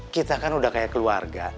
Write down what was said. kita kan udah kayak keluarga